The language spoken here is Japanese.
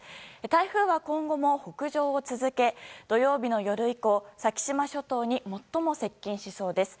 台風は今後も北上を続け土曜日の夜以降先島諸島に最も接近しそうです。